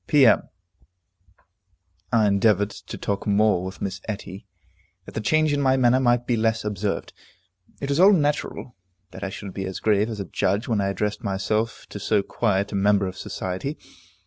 P.M. I endeavored to talk more with Miss Etty, that the change in my manner might be less observed. It was all natural that I should be as grave as a judge when I addressed myself to so quiet a member of society.